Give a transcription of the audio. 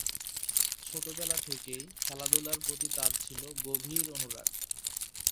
ছোটবেলা থেকেই খেলাধুলার প্রতি তার ছিল গভীর অনুরাগ।